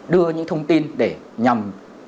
đưa những thông tin để nhằm